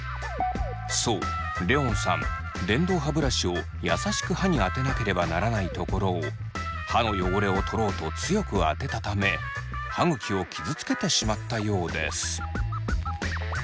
そうレオンさん電動歯ブラシをやさしく歯に当てなければならないところを歯の汚れを取ろうと強く当てたため歯ぐきを傷つけてしまったようです。